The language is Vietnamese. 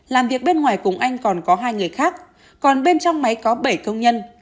làm việc bên ngoài cùng anh còn có hai người khác còn bên trong máy có bảy công nhân